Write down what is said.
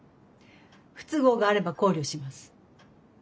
不都合があれば考慮します。